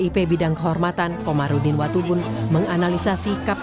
ketua dpp pdip bidang kehormatan komarudin watubun menganalisasi kap ketua umum pdip usai wabun